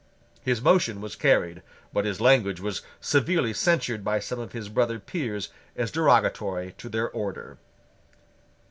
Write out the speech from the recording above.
His motion was carried; but his language was severely censured by some of his brother peers as derogatory to their order.